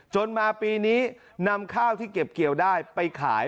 จนมาปีนี้นำข้าวที่เก็บเกี่ยวได้ไปขาย